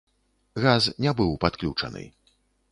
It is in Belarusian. Газ не быў падключаны.